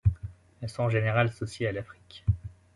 Elles sont en général associées à l'Afrique.